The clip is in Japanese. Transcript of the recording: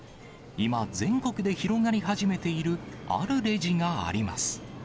今、全国で広がり始めている、あるレジがあります。